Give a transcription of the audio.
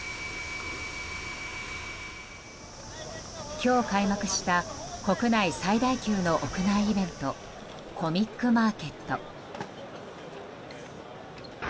今日、開幕した国内最大級の屋内イベントコミックマーケット。